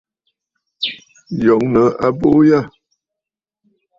Yòŋə abuu yâ.